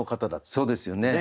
そうですよね。